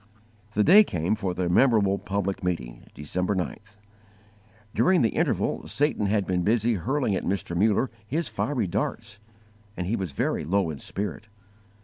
The day came for the memorable public meeting December 9th. During the interval Satan had been busy hurling at Mr. Muller his fiery darts, and he was very low in spirit.